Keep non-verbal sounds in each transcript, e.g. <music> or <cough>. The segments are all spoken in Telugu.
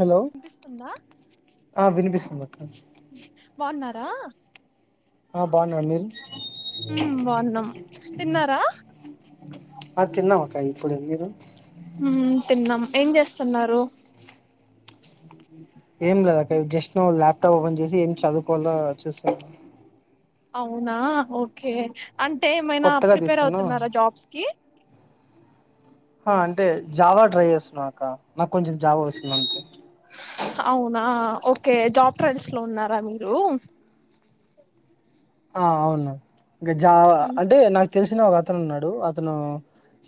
హలో వినిపిస్తుందా ఆ వినిపిస్ <unintelligible> బాగున్నారా ఆ బాగున్నా అనిల్ హ్మ్ బాగున్నాం తిన్నారా వాళ్ళు ఇప్పుడు వెళ్ళారా హ్మ్ తిన్నాం ఏం చేస్తున్నారు ఏం లేదు అక్క జస్ట్ నౌ ల్యాప్టాప్ ఓపెన్ చేసి ఏం చదువుకోవలో చూస్తానం అవునా ఓకే అంటే ఏమైనా కొత్తగా ప్రిపేర్ తీసుకున్నా అవుతున్నారా జాబ్స్ కి ఆ అంటే జావా ట్రై చేస్తున్న అక్క నాకు కొంచెం జావా వస్తుందు అనుకో అవునా ఓకే జాబ్ ట్రైల్స్ లో ఉన్నారా మీరు ఆ అవును ఇంకా జా ఉమ్, అంటే నాక్ తెలిసిన ఒక అతను ఉన్నాడు. అతను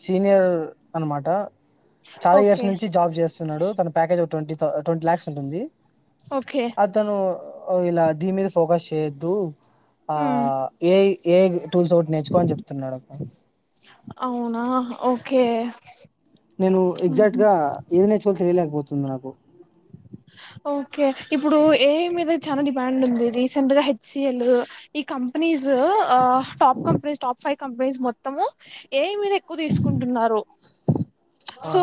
సీనియర్ అనమాట. చాలా ఇయర్స్ ఓకే నుంచి జాబ్ చేస్తున్నాడు. తన ప్యాకేజ్ ఒక ట్వంటీ. ట్వంటీ లాక్స్ ఉంటుంది. ఓకే అతను ఇలా దీని మీద ఫోకస్ చేయొద్దు. ఆ ఉమ్ ఏ ఏ టూల్స్ ఒకటి నేర్చుకో అని చెప్తున్నాడుక్క ఆ ఓకే నేను ఎక్జాక్ట్ ఉహు గా ఏదినేర్చుకోవలో తెలియలేకపోత్ వస్తుంది నాకు ఓకే ఇప్పుడు ఏఐ మీద చానా డిమాండ్ ఉంది. రీసెంట్గా హెచ్ సి ఎల్ ఈ companies top companies top five companies మొత్తము ఏఐ ఐ మీద ఎక్కువగా తీసుకుంటున్నారు. ఆ సో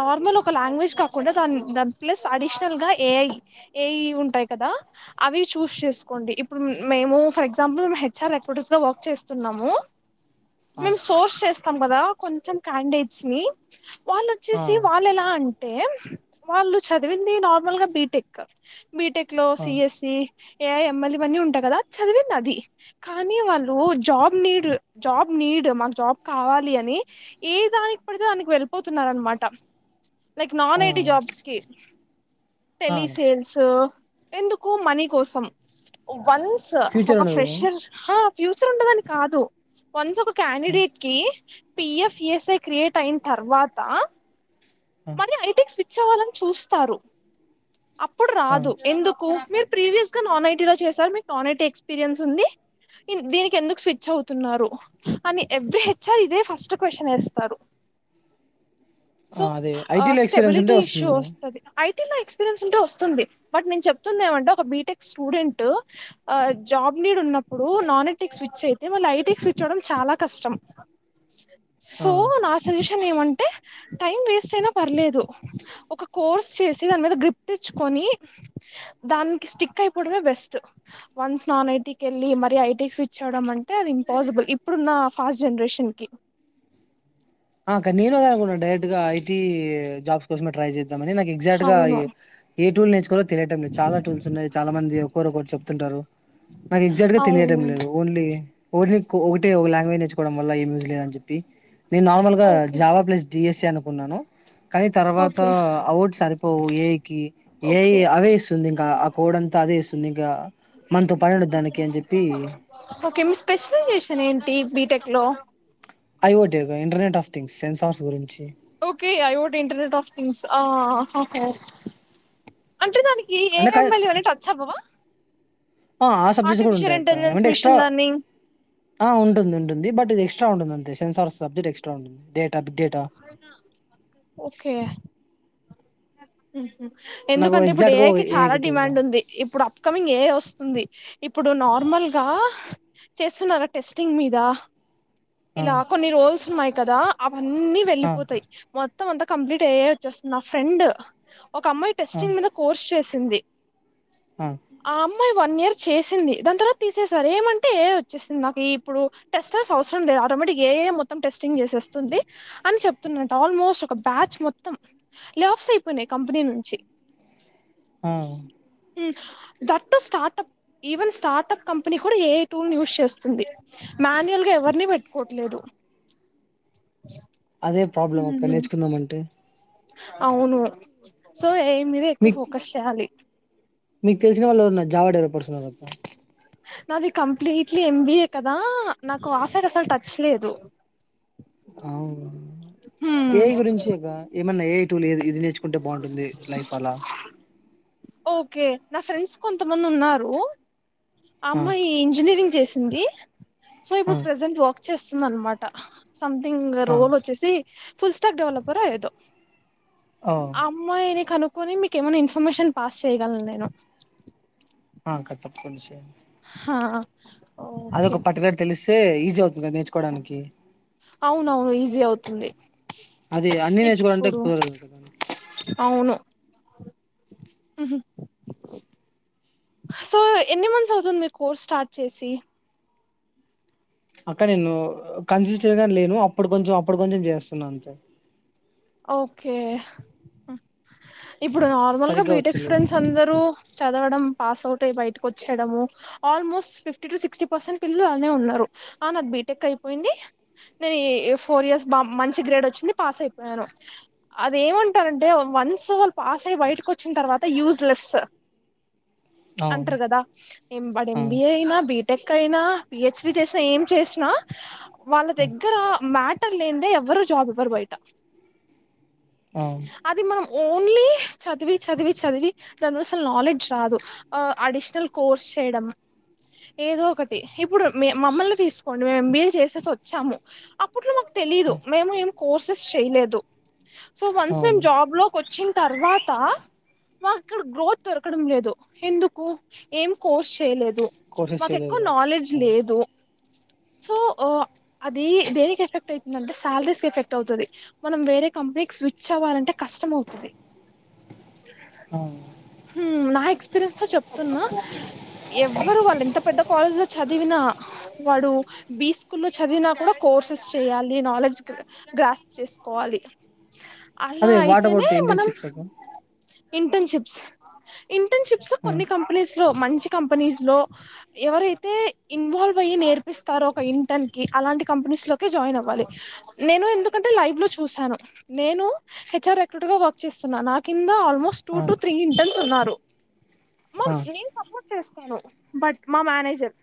నార్మల్ ఒక లాంగ్వేజ్ కాకుండా దాన్ని దా ప్లస్ అడిషనల్ గా ఏఐ ఏఈ ఉంటాయి కదా. అవి చూస్ చేసుకోండి. ఇప్పుడు మేము ఫర్ ఎగ్జాంపుల్ మేము హెచ్ఆర్ ఎక్వటిస్ గా వర్క్ చేస్తున్నాము. ఆ మేము సోర్స్ చేస్తాం కదా కొంచెం క్యాండేడ్స్ ని వాళ్ళు ఆ వచ్చేసి వాళ్ళు ఎలా అన్ అంటే వాళ్ళు చదివింది నార్మల్ గా బీటెక్ బీటెక్ లో సిఎస్సి ఏ ఎమ్ఎల్ ఇవ అన్నీ ఉంటాయి కదా. చదివింది అది కానీ వాళ్ళు జాబ్ నీడ్ జాబ్ నీడ్ మాకు జాబ్ కావాలి. అని ఏ దానికి పడితే దానికి వెళ్ళిపోతున్నారు అనమాట. నిక్ ఆ నాన్ ఎయిటీ జాబ్ ఆ తెలిసింద్ సో ఎందుకు మనీ కోసం వన్స్ ఫ్యూచర్ ఒక ఉండదు కదా ఫ్రెషర్ హా ఫ్యూచర్ ఉండదని కాదు వన్స్ ఒక క్యాండిడేట్ కి పిఎఫ్ ఎస్ఐ క్రియేట్ అయిన తర్వాత మరి ఐటెక్స్ చ్చవాలని చూస్తారు. అప్పుడు ఆ రాదు ఎందుకు మీరు ప్రీవియస్గా నాన్ ఐటీలో చేశారు. మీకు నాన్ ఐటీ ఎక్స్పీరియన్స్ ఉంది. దీనికి ఎందుకు స్విచ్ అవుతున్నారు. అని ఎవ్రీ హెచ్ఆర్ ఇదే ఫస్ట్ క్వశ్చన్ వేస్తారు. ఆ సో అదే ఐటీ లో ఎక్స్పీరియన్స్ ఉంటే వస్తుంది. ఇలా ఎక్స్పీరియన్స్ ఉంటే వస్తుంది. బట్ నేను చెప్తుంది ఏమంటే, ఒక బీటెక్ స్టూడెంట్ ఆ జాబ్ నీడ్ ఉన్నప్పుడు నాన్ ఐటికి స్విచ్ అయితే, మళ్ళీ ఐటికి స్విచ్ అవ్వడం చాలా కష్టం. సో నా సశిష న్ ఏమంటే టైమ్ వేస్ టైనా పర్లేదు ఒక కోర్స్ చేసి దాని మీద గ్రిప్ తెచ్చుకొని దానికి స్టిక్ అయిపోవడమే బెస్ట్. వన్స్ నాన్ ఐటీకి వెళ్ళి మరి ఐటీ స్విచ్ అవ్వడం అంటే అది ఇంపాసిబుల్ ఇప్పుడున్న ఫాస్ట్ జనరేషన్కి. ఆ అక్క నేను అదే అనుకున్న డైరెక్ట్ గా ఐ టీ జాబ్స్ కోసమే ట్రై చేద్ దాం అని నాకు ఎగ్జాక్ట్ గా అవును ఏ టూల్ నేర్చుకోవాలో తెలియటం లేదు చాలా టూల్స్ ఉన్నాయి. చాలా మంది ఒకరు ఒకరు చెప్తుంటారు. నాకు ఎగ్జాక్ట్ గా తెలియడం అవును లేదు. ఓన్లీ ఒకటిని ఒకటే ఒక లాంగ్వేజ్ నేర్చుకోవడం వల్ల ఏం యూస్ లేదని చెప్పి ఓకే జావా ప్లస్ డిఎస్ ది అనుకున్నాను కానీ తర్వాత ఓకే అవుట్ సరి పోవు ఏఐకి ఏఐ ఓకే అవే ఇస్తుంది. ఆ కోడ్ అంతా అదేస్తుందిగా ఓకే మీ స్పెషలైజేషన్ ఏం టి బీటెక్ లో ఐ ఓ టి అక్క ఇంటర్నెట్ ఆఫ్ థింగ్స్ సెన్సార్స్ గురించి okay I vote internet of wings ఆ ఆహా అంటే నాది ఈ ఏ అంటే <unintelligible> టచ్చ్ అవ్వవా ఆ ఆ సబ్జెక్ట్స్ కూడా ఆర్టిఫిషియల్ ఉంటాయి అక్క ఇంటెలిజెన్స్ ఏమంటే ఎక్స్ట్రా మిషన్ లెర్నింగ్ ఆ ఉంటుంది ఉంటుంది బట్ ఇది ఎక్స్ ఎక్స్ట్రా ఉంటుంది అంతే సెన్సార్ సబ్జెక్ ఎక్స్ట్రా ఉంటుంది డేట్ ఓకే ఉమ్ నాకు ఎందుకంటే ఇప్పుడు ఎగ్జాక్ట్ ఏ గా ఐ కి చాలా గుర్తులేదు డిమాండ్ ఉంది ఇప్పుడు. ఆప్ కమింగ్ ఏఐ వస్తుంది ఇప్పుడు నార్మల్గా చేస్తున్నారా టెస్టింగ్ మీద ఆ ఇలా కొన్ని రోల్స్ మై కదా అప్ అన్నీ ఆ వెళ్ళిపోతాయి మొ త్తం అంత కంప్లీట్ ఏ ఐ వచ్చేస్తున్నా ఆఫ్ ఫ్రెండ్ ఒక అమ్మాయి ఆ టెస్టింగ్ మీద కోర్స్ చేస్ తుంది ఆ ఆమ్ అమ్మాయ్ వన్ ఇయర్ చేసింది దాని తర్వాత తీసేసారు ఏమంటే ఏఐ వచ్చేసింది నాకు ఇప్పుడు టెస్టర్స్ అవసరం లేదు ఆటోమేటిక్ ఏఐ మొత్తం టెస్టింగ్ చేసేస్తుంది అని చెప్తున్న ఆల్మోస్ట్ ఒక బ్యాచ్ మొత్తం లెఆఫ్స్ అయిపోయినాయి కంపెనీ నుంచి ఆ that startup even startup company కూడా ఏఐ టూల్ యూస్ చేస్తుంది మాన్యువల్గా ఎవరిని పెట్టుకోట్లేదు అదే ప్రాబ్లం అక్క నేర్చుకుందాంమంటే అవును సో ఏ మీదే ఎక్కువ మీకు ఫోకస్ చేయాలి మీకు తెలిసిన వాళ్ళు ఎవరన్న జావాడర్ పర్సన్ ఉన్నారా నాది కంప్లీట్లీ ఎంబీఏ కదా నాకు ఆ సైడ్ అసలు టచ్ లేదు అవున ఉమ్. ఏఐ గురించే గా ఏమన్నా ఏఐ తూలెది ఇది నేర్చుకుంటే బాగుంటుంది లైఫ్ అలా ఓకే నా ఫ్రెండ్స్ కొంతమంది ఉన్నారు ఆ అమ్మాయి ఇంజనీరింగ్ చేస్ ఉంది సో ఆ ఇప్పుడు ప్రెసెంట్ వక్ చేస్తుంది అనమాట సంథింగ్ ఆ రోల్ ఓచ్చేసి ఫుల్ స్టక్ డెవలప్పరో ఏదో ఓ అమ్మాయిని కనుక్ పోని మీకు ఏమైనా ఇన్ఫర్మేషన్ పాస్ చేయగలను నేను ఆ క తప్పని సరి ఆహ అదొక పట్టుగారి తెలుసు తే ఈజీ అవుతుంది నేర్చుకోవడానికి అవునవును ఈజీ అవుతుంది అది అన్నీ నేర్చుకోవలాంటే ఇప్పుడు కుదరదు అవును ఉహు సో ఎన్ని మంత్స్ అవుతుంది మీరు కోర్స్ స్టార్ట్ చేసి అక్క నేను కన్సిస్టెంట్ గా లేను అప్పుడు కొంచెం అప్పుడు కొంచెం చేస్తున్నా అంతే ఓకే ఇప్పుడు నార్మల్ గా సరిగ్గా బీటెక్ వచ్చలేదు స్టూడెంట్స్ అందరు చదవడం పాస్ అవుట్ అయ్య బయటకు వచ్చేయడము almost fifty to sixty percent పిల్లలు అళనే ఉన్నారు ఆ నాకు బీటెక్ అయిపోయింది నేను ఫోర్ ఇయర్స్ బా మంచి గ్రేడ్ వచ్చింది పాస్ అయి వేరో అదేమంటారంటే వన్స్ వాళ్ళు పాస్ అయి బయటకొచ్చిన తర్వాత యూస్ లెస్ అవును అంటరు కదా వాడు ఎం బి ఏ అవును అయినా బీటె కైనా పి హెచ్ డి చేసినా ఏం చేసినా వాళ్ళ దగ్గర మ్యా టర్ లేందే ఎవ్వరూ జాబ్ ఇవ్వరు బయట అవును అది మనం ఓన్లీ చదివి చదివి చదివి దానసలు నాలెడ్జ్ రాదు ఆ అడిషనల్ కోర్స్ చేయడం ఏదో ఒకటి ఇప్పుడు మే మమ్మల్ని తీసుకోండి మేం ఏం బి ఏ చేసేసి వచ్చాము ఆ ప్పుట్లో మాకు తెలీదు మేము ఏం కో సెస్ చెయ్ లేదు సో వన్స్ మేము అవును జాబ్ లోకొచ్చిన్ తర్వాత మాకు ఇక్కడ గ్రోత్ దొరకడం లేదు ఎందుకు ఏం కోర్స్ చేయలే దు కోర్సెస్ మాకు ఎక్కువ చేయలేదు నాలెడ్జ్ లేదు సో ఓ అది దేనికి ఎఫెక్ట్ ఐతుందంటే శాలరీస్ ఎఫెక్ట్ ఔతది మనం వేరే కంపెనీకి స్విచ్ అవ్వాలంటే కష్టం ఔతది అవును ఉమ్మ్ నా‌ ఎక్స్ పీరియన్స్ తో చెప్తున్నా ఎవ్వరు వాళ్ళు ఎంత పెద్ద కాలేజ్ లో చదివినా వాడు బి స్కూల్లో లో చదివినా కూడా కోర్సెస్ చయ్యాలి నాలెడ్జ్ గ్రాస్ప్ చేసుకోవాలి అలా అదే వాట్ అయితేనే అబౌట్ మనం ఇంటర్న్షిప్స్ <inaudible> ఇంటర్న్షిప్స్ ఇన్ ఇంటన్షిప్స్ ఆ కొన్ని కంపెనీస్ లో మంచి కంపెనీస్ లో ఎవరైతే ఇన్వాల్వ్ అయ్యి నేర్పిస్తారో ఒక ఇంటర్న్ కి అలాంటి కంపెనీస్ లోకే జాయిన్ అవ్వాలి నేను ఎందుకంటే లైవ్ లో చూశాను నేను హెచ్ ఆర్ రెక్రూట్ గా వర్క్ చేస్తున్నా నా కింద ఆల్ మోస్ట్ టూ ఆ టు త్రీ ఇంటర్న్స్ సున్నారు మం ఆ నేను సపోర్ట్ చేస్ టాను బట్ మా మేనేజర్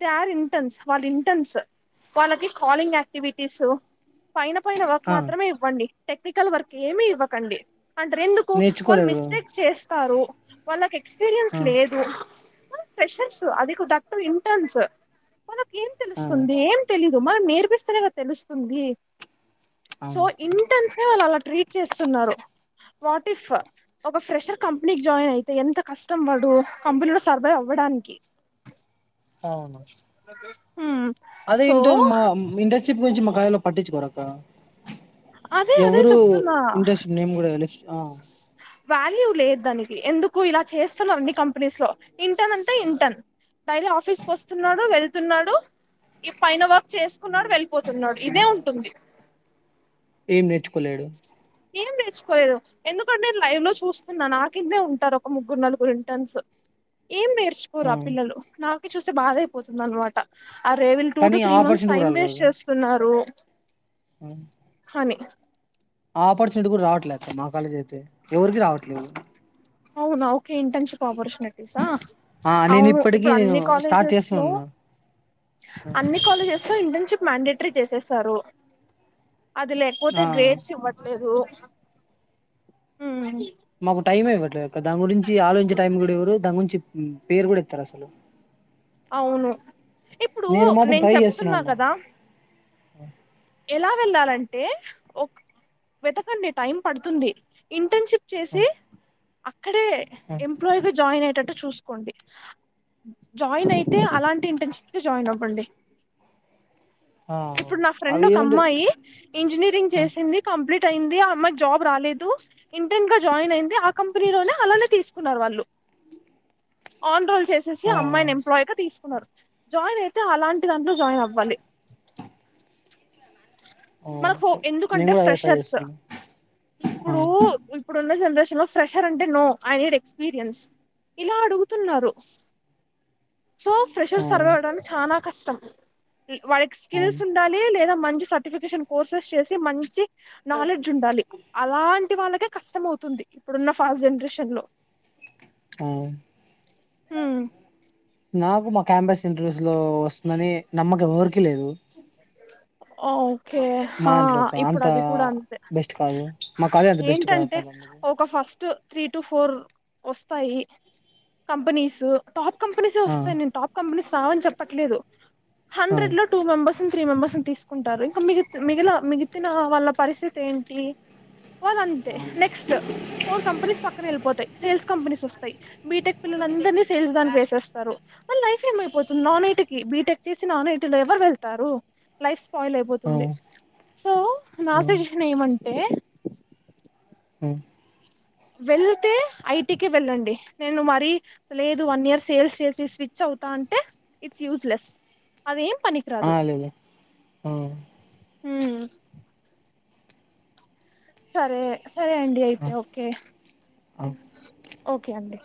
దే ఆర్ ఇంటెర్న్స్ వాళ్ళు ఇంటెన్స్ వాళ్ళకి కాలింగ్ యాక్టివిటీస్ పైన పైన వర్క్ ఆ మాత్రమే ఇవ్వండి టెక్నికల్ వర్క్ ఏమీ ఇవ్వకండి అంటారు ఎందుకు వాళ్ళు నేర్చుకోలేదు మిస్టేక్ చేస్ కారు వాళ్ళకి ఎక్స్పీరియన్స్ ఆ లేదు వాళ్ళు ఫ్రెషర్స్ అది కు దట్ టూ ఇంటన్స్ వాళ్ళకు ఏం ఆ తెలుస్తుంది ఏం తెలి జుమ్మా నేర్పిస్తనే కద తెలుస్తుందీ. సో అవును ఇంటెన్స్ లా అలా అలవాట్ ట్రీట్ చేస్తున్నారు. వాట్ ఇఫ్ ఫర్ ఒక ఫ్రెషర్ కంపెనీకి జాయిన్ అయితే ఎంత కష్టం వాడు, కంపెనీలో సర్వైవ్ అవ్వడానికి. అవును అ అదే ఇంటర్న్ మా ఇంటర్న్షిప్ కొంచెం ఒకాయలో పటిచ్చుకోర క్కా అదే అదే ఎవ్వరూ చెప్తున్నా ఇంటర్న్షిప్ నేమ్ కూడా లెస్ ఆ వాల్యూ లేద్ దానికి. ఎందుకు ఇలా చేస్తున్నారు అన్ని కంపెనీస్ లో. ఇంటర్న్ అంటే ఇంటర్న్. డైలీ ఆఫీస్కి వస్తున్నాడు, వెళ్తున్నాడు ఈ పైన వర్క్ చేసుకున్నాడు వెళ్ళిపోతున్నాడు ఇదే ఉంటుంది. ఏం నేర్చుకోలేడు. ఏం నేర్చుకోలేదు ఎందుకంటే నేన్ లైవ్ లో చూస్తున్నా నా కిందే ఉంటారు ఒక ముగ్గురు నలుగురు ఇంటర్న్స్. ఏం నేర్చుకోరు ఆ పిల్లలు. నాక్ చూస్తే బాధయిపోతుంది అన్మాట. ఆ రేవిల్ టూ టు కానీ three months opportunity time waste చేస్తున్నారు. అవున్ అన్ని ఆ ఆపర్చునిటీ గూడా రావట్లే అక్క మా కాలేజ్ అయితే. ఎవరికీ రావట్లేదు. అవునా ఓకే ఇంటర్న్షిప్ ఆపర్చునిటీస్ ఆ ఆ నేను అవును ఇప్పటికీ ఇప్పుడు నేను అన్నీ స్టార్ట్ కాలేజెస్ చేస్తూ లో. ఉన్నా అన్ని కాలేజెస్ ఇంటర్న్షిప్ మాండేటరీ చేసేసారు. అది లేకపోతే ఆ గ్రేడ్స్ ఇవ్వట్లేదూ. ఊ టైం ఇవ్వట్లేదు. ఇక దాన్ని గురించీ ఆలోచించే టైం గూడ ఇవ్వరూ. దాన్ని గురించి ఊ పేరు గూడ ఎత్తర్ అసలు. అవును. ఇప్పుడూ నేను నేన్ చెప్తున్నా గదా. ఆ ఎలా వెళ్ళాలంటే, ఒక్ వెతకండి టైం పడుతుంది. ఇంటర్న్షిప్ చేసీ ఇక్కడే ఎంప్లాయీగా జాయిన్ అయ్ టట్టు చూసుకోండి. జాయిన్ అయితే అలాంటి ఇంటర్న్షిప్ జాయిన్ అవ్వండి. ఆవున్ ఇప్పుడు నా ఫ్రెండ్ అవి ఏమంటే అమ్మాయి ఇంజెనీరింగ్ చేసింది కంప్లీట్ అయింది అ అమ్మాయి జాబ్ రాలేదు ఇంటెన్ గా జాయిన్ అయింది ఆ కంపెనీలోనే అలానే తీసుకున్నారు వాళ్ళు ోల్ చేసి ఆ అమ్మాయి ఎమ్ ప్లాయ్ గా తీసు జాయిన్ అయితే అలాంటి దాంట్లో జాయిన్ అవ్వాలి మనకు ఓకే నేను ఎందుకంటే కూడా అదే ట్రై ఫ్రెషర్స్ చేస్తున్నా ఆ ఇప్పుడూ ఇప్పుడున్న జనరేషన్ ఫ్రెషర్ అంటే no I had the experience ఇలా అడుగుతున్నారు సో ప్రెషర్ ఆ సర్వ్ అవ్వడానికి చాల కష్టం త వాళ్ళక్ స్కిల్స్ అవును ఉండాలి లేద మంచి సర్టిఫికేషన్ కోర్సెస్ చేసి మంచి నాలెడ్జ్ ఉండాలి అలాం ఇటి వాళ్ళకే కష్టం అవుతుంది ఇప్పుడున్న ఫాస్ట్ జెన్రేషన్ లో అ హ్మ్. నాకు మా క్యాంపస్ ఇంటర్వ్యూస్ లో వస్తుందని నమ్మకం ఎవ్వరికి లేదు ఆ అ ఓకే హ మా దాంట్లో ఇప్పుడు అంత అది కూడ అంతే బెస్ట్ కాదు మా కాలేజ్ అంత బెస్ట్ కాదు ఏంటంటే కదా అందుకు ఒక ఫస్ట్ త్రీ టు ఫోర్ వస్తాయి కంపెనీస్సు టాప్ కంపెనీసే ఆ వస్తాయి నేన్ టాప్ కంపెనీస్ రావని చెప్పట్లేదు ఆ హండ్రెడ్ లో టూ మెంబర్ త్రీ మెంబర్స్ తీసుకుంటారు ఇక మి మిగి మిగితిన వాళ్ళ పరిస్థితి ఏంటి వాళ్ళ అంతే నెక్స్ట్ ఫోర్ కంపెనీస్ పక్కన వెళ్ళిపోతాయి సేల్స్ కంపెనీస్ వస్తయి బీటెక్ పిల్లల్ అందరినీ సేల్స్ దాన్ని వేసేస్తారు మళ్ళ లైఫ్ ఏమైపోతుంది నాన్ ఐటీకి బీటెక్ చేసి నాన్ ఐటీలో ఎవరు వెళ్తారు నైస్ స్పాయిల్ ఆ అయిపోతుంది సో నా సేజషన్ ఏమంటే మ్ వెళ్తే ఐటీకి వెళ్ళండి నేను మరీ లేదు వన్ ఇయర్ సేల్స్ చేసి స్విచ్ అవుతా అంటే ఇట్స్ యూజ్లెస్ అదేం ఆ పనికిరాదు లేదు ఆ హుమ్ సరే సరే అండి అయితే ఓకే ఆ ఓకె అండి